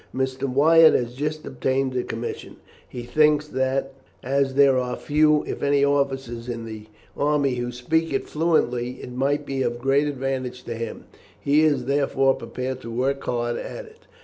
"Mr. Wyatt has just obtained a commission, and he thinks that as there are few, if any, officers in the army who speak it fluently, it might be of great advantage to him. He is, therefore, prepared to work hard at it.